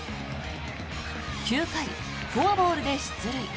９回、フォアボールで出塁。